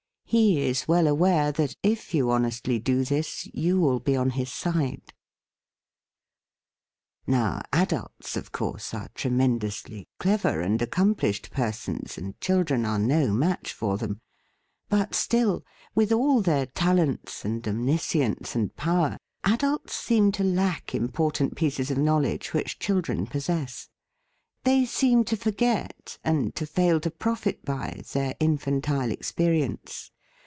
He is well aware that, if you honestly do this, you will be on his side. Now, adults, of course, are tremen dously clever and accomplished persons and children are no match for them; but still, with all their talents and om niscience and power, adults seem to lack important pieces of knowledge which children possess; they seem to forget, and to fail to profit by, their infantile experience.